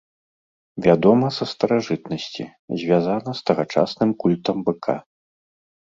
Вядома са старажытнасці, звязана з тагачасным культам быка.